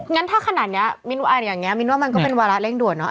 งั้นถ้าขนาดนี้มินว่ามันก็เป็นวาระเร่งด่วนเนอะ